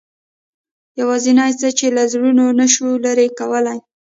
یوازینۍ څه چې له زړونو نه شو لرې کولای.